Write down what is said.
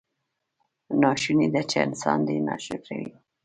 ناشونې ده چې انسان دې ناشکره وي.